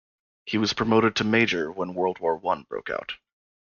He was promoted to Major when World War One broke out.